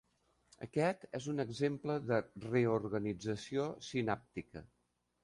Aquest és un exemple de "reorganització sinàptica".